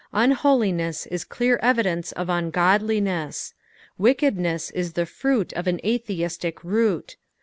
Unboliness ia clear evidence of ungodlineas. Wickedness is the fruit of an utheistic root.